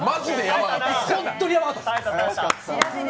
本当にやばかった。